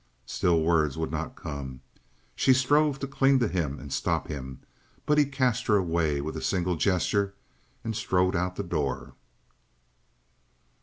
Still words would not come. She strove to cling to him and stop him, but he cast her away with a single gesture and strode out the door.